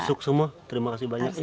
semoga semua terima kasih banyak ibu